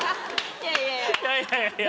いやいやいや。